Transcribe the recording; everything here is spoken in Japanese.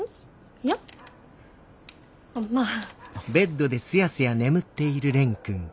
いやまあ。